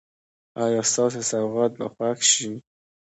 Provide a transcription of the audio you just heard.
ایا ستاسو سوغات به خوښ شي؟